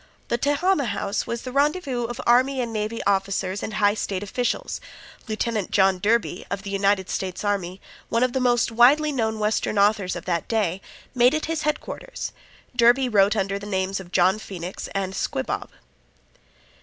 The Tehama House was the rendezvous of army and navy officers and high state officials. Lieutenant John Derby, of the United States Army, one of the most widely known western authors of that day, made it his headquarters. Derby wrote under the names of "John Phoenix," and "Squibob."